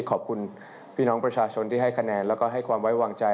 ขอบคุณพี่น้องประชาชนที่ให้คะแนนแล้วก็ให้ความไว้วางใจ